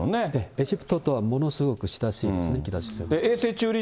エジプトとはものすごく親しいですね、北朝鮮。